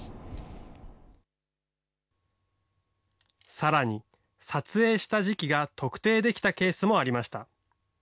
さらに撮影した時期が特定できたケースもありました。